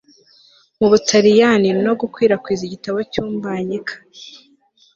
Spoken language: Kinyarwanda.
mu butaliyani, no gukwirakwiza igitabo cyumbanyika